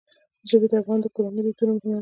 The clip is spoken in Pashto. ژبې د افغان کورنیو د دودونو مهم عنصر دی.